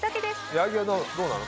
矢作はどうなの？